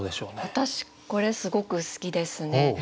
私これすごく好きですね。